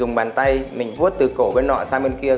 dùng bàn tay mình vuốt từ cổ bên nọ sang bên kia